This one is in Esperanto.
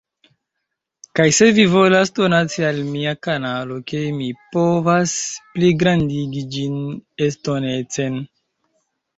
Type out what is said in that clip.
Kaj se vi volas donaci al mia kanalo ke mi povas pligrandigi ĝin estonecen